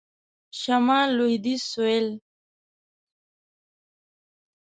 شمال .. لویدیځ .. سوېل ..